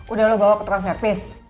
udah lu bawa ketuan servis